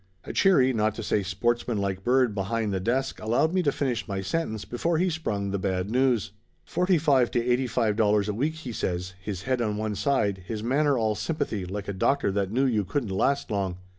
A cheery, not to say sportsmanlike bird behind the desk allowed me to finish my sentence before he sprung the bad news. "Forty five to eighty five dollars a week," he says, his head on one side, his manner all sympathy like a doctor that knew you couldn't last long.